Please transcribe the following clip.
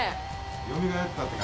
よみがえったって感じ？